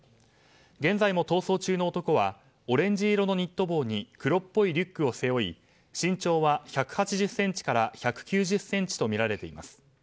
現在も逃走中の男はオレンジ色のニット帽に黒っぽいリュックを背負い身長は１８０ｃｍから１９０ｃｍとみられています。